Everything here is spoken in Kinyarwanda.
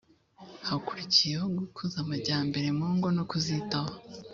hakurikiyeho gukuza amajyambere mu ngo no kuzitaho